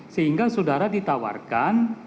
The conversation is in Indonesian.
sehingga saudara ditawarkan